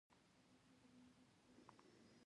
ایا مصنوعي ځیرکتیا د مسلکي هویت بحران نه زېږوي؟